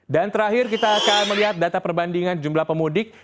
dan terakhir kita akan melihat data perbandingan jumlah pemudik